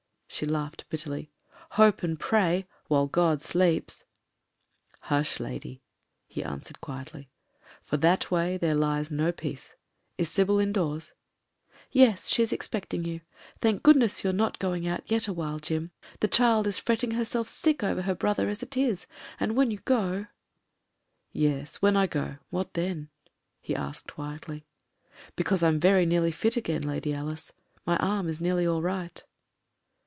She laughed bitterly. "Hope and pray — ^while God sleeps." "Hush, lady!" he answered quietly; "for that way there lies no peace. Is Sybil indoors?" "Yes — she's expecting you. Thank goodness you're not going out yet awhile, Jim; the child is fretting herself sick over her brother as it is — and when you go. ... "Yes — ^when I go, what then?" he asked quietly. "Because I'm very nearly fit again. Lady Alice. My arm is nearly all right."